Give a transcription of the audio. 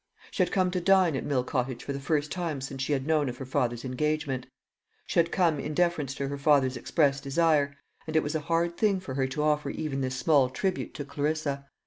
She had come to dine at Mill Cottage for the first time since she had known of her father's engagement. She had come in deference to her father's express desire, and it was a hard thing for her to offer even this small tribute to Clarissa.